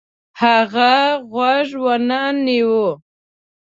هغه غوږ ونه نیوه.